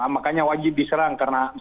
makanya wajib diserang